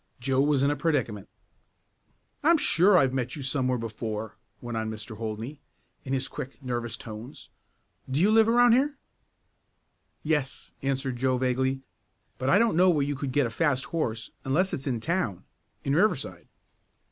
Joe was in a predicament. "I'm sure I've met you somewhere before," went on Mr. Holdney, in his quick, nervous tones. "Do you live around here?" "Yes," answered Joe vaguely. "But I don't know where you could get a fast horse unless it's in town in Riverside."